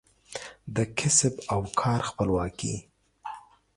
د کسب او کار خپلواکي